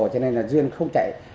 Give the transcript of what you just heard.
cho nên là duyên không chạy